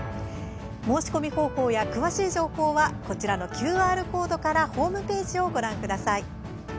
申し込み方法や詳しい情報はこちらのＱＲコードからホームページをご覧ください。